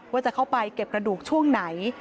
ว่าจะเข้าไปเก็บกระดูกช่วงไหน